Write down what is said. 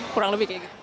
kurang lebih kayak gitu